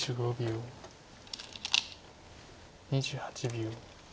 ２８秒。